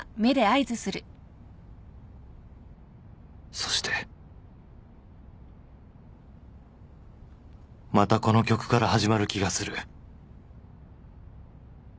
そしてまたこの曲から始まる気がする